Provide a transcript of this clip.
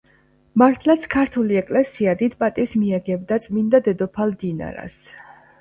მართლაც, ქართული ეკლესია დიდ პატივს მიაგებდა წმინდა დედოფალ დინარას.